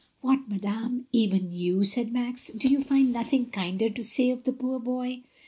"What, madame, even you," said Max, "do you find nothing kinder to say of the poor boy